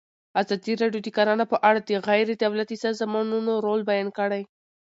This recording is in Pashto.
ازادي راډیو د کرهنه په اړه د غیر دولتي سازمانونو رول بیان کړی.